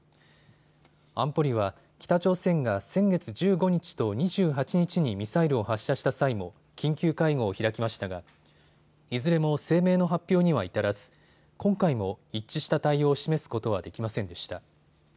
安保理は北朝鮮が先月１５日と２８日にミサイルを発射した際も緊急会合を開きましたがいずれも声明の発表には至らず今回も一致した対応を示すことはできませんでした。